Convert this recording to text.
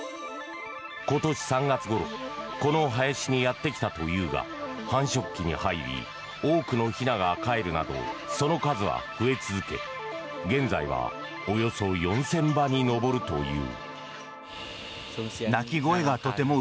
今年３月ごろこの林にやってきたというが繁殖期に入り多くのひながかえるなどその数は増え続け現在はおよそ４０００羽に上るという。